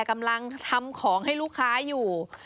กำลังทำของให้ลูกค้าอยู่